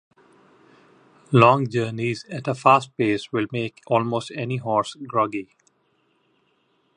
Long journeys at a fast pace will make almost any horse groggy.